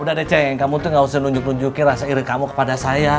udah deceng kamu tuh gak usah nunjuk nunjukin rasa iri kamu kepada saya